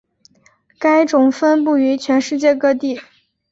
该种分布于全世界各地。